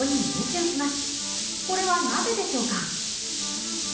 これはなぜでしょうか？